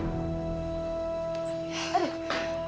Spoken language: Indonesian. gustaf belum diapa apain